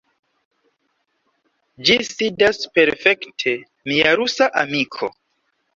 Ĝi sidas perfekte, mia rusa amiko.